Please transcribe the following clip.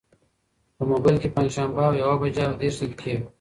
په مبایل کې پنجشنبه او یوه بجه او دېرش دقیقې وې.